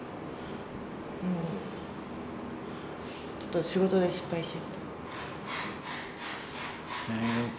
ちょっと仕事で失敗しちゃって。